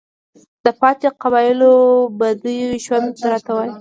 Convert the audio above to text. د پاتې قبايلو بدوى ژوند راته وايي،